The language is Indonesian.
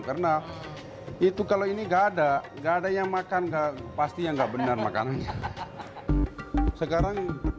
karena itu kalau ini nggak ada nggak ada yang makan pastinya nggak benar makan